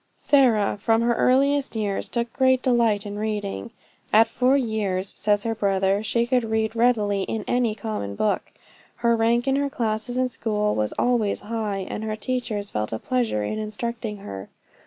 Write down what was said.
Sarah, from her earliest years took great delight in reading. At four years, says her brother, she could read readily in any common book. Her rank in her classes in school was always high, and her teachers felt a pleasure in instructing her.